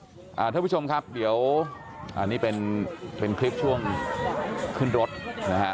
เท่าว่าคุณผู้ชมครับเดี๋ยวอันนี้เป็นคลิปช่วงขึ้นรถนะฮะ